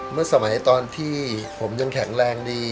เมื่อสมัยตอนที่ผมยังแข็งแรงดี